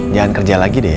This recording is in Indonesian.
jangan kerja lagi deh ya